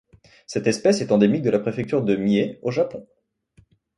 Cette espèce est endémique de la préfecture de Mie au Japon.